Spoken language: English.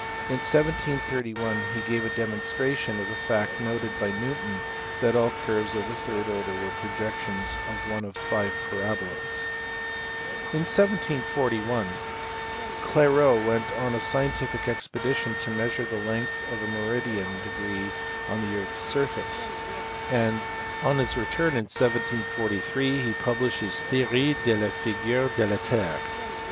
In 1731 he gave a demonstration of the fact noted by Newton that all curves of the third order were projections of one of five parabolas. In 1741 Clairaut went on a scientific expedition to measure the length of a meridian degree on the earth s surface, and on his return in 1743 he published his Theorie de la figure de la terre.